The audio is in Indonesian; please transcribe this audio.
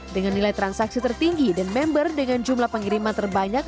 dengan nilai transaksi tertinggi dan member dengan jumlah pengiriman terbanyak